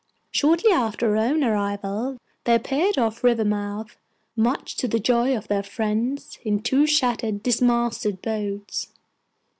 Shortly after our own arrival they appeared off Rivermouth, much to the joy of their friends, in two shattered, dismasted boats.